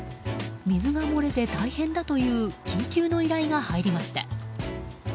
水が漏れて大変だという緊急の依頼が入りました。